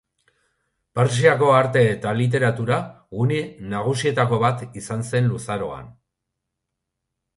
Persiako arte eta literatura gune nagusietako bat izan zen luzaroan.